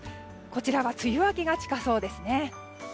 こちらは梅雨明けが近そうですね。